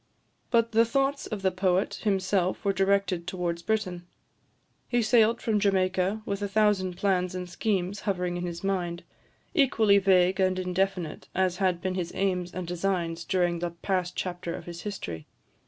But the thoughts of the poet himself were directed towards Britain. He sailed from Jamaica, with a thousand plans and schemes hovering in his mind, equally vague and indefinite as had been his aims and designs during the past chapter of his history.